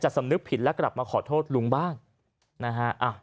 สำนึกผิดและกลับมาขอโทษลุงบ้างนะฮะ